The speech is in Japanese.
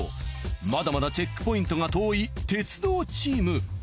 まだまだチェックポイントが遠い鉄道チーム。